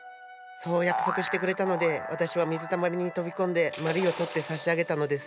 そう約束してくれたので私は水たまりに飛び込んでまりを取って差し上げたのです。